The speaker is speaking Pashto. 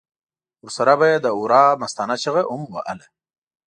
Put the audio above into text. ورسره به یې د هورا مستانه چیغه هم وهله.